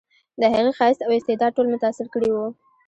د هغې ښایست او استعداد ټول متاثر کړي وو